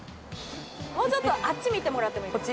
もうちょっとあっち見てもらってもいいですか。